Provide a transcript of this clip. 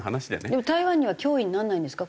でも台湾には脅威にならないんですか？